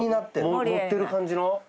盛ってる感じの。